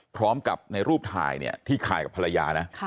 พร้อมกับในรูปถ่ายเนี่ยที่ถ่ายกับภรรยานะ